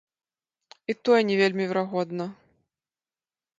І тое не вельмі верагодна.